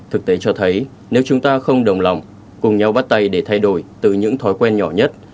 thực tế cho thấy nếu chúng ta không đồng lòng cùng nhau bắt tay để thay đổi từ những thói quen nhỏ nhất